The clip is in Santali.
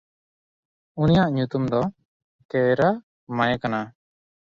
ᱩᱱᱤᱭᱟᱜ ᱧᱩᱛᱩᱢ ᱫᱚ ᱠᱮᱭᱨᱟᱼᱢᱟᱭ ᱠᱟᱱᱟ᱾